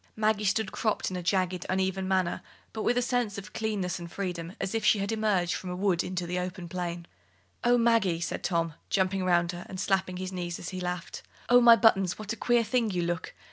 Maggie stood cropped in a jagged, uneven manner, but with a sense of clearness and freedom, as if she had emerged from a wood into the open plain. "Oh, Maggie," said Tom, jumping round her and slapping his knees as he laughed; "oh, my buttons, what a queer thing you look!